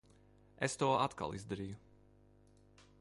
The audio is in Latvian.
Es to atkal izdarīju.